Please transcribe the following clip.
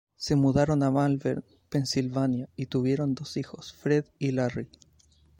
Se mudaron a Malvern, Pensilvania y tuvieron dos hijos, Fred y Larry.